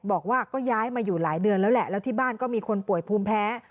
บอกว่าก็ย้ายมาอยู่หลายเดือนแล้วแหละแล้วที่บ้านก็มีคนป่วยภูมิแพ้